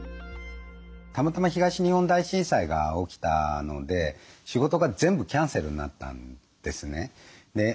たまたま東日本大震災が起きたので仕事が全部キャンセルになったんですね。